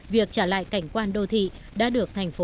việc trả lại cảnh quan đô thị đã được thành phố